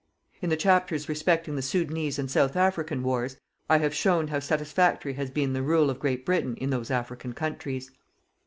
In the chapters respecting the Soudanese and South African wars, I have shown how satisfactory has been the rule of Great Britain in those African countries.